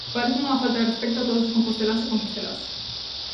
Paréceme unha falta de respecto a todos os composteláns e compostelás.